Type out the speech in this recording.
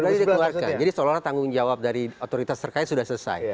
sudah dikeluarkan jadi setelah tanggung jawab dari otoritas terkait sudah selesai